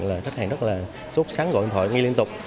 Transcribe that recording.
là khách hàng rất là xúc xắn gọi điện thoại nghi liên tục